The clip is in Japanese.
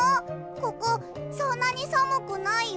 ここそんなにさむくないよ？